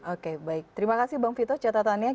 oke baik terima kasih bang vito catatannya